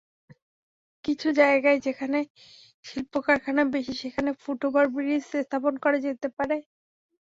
কিছু জায়গায়, যেখানে শিল্পকারখানা বেশি, সেখানে ফুটওভারব্রিজ স্থাপন করা যেতে পারে।